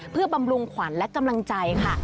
เพื่อบำรุงขวัญและกำลังใจค่ะ